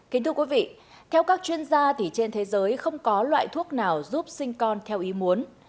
kính thưa quý vị theo các chuyên gia thì trên thế giới không có loại thuốc nào giúp sinh con theo ý muốn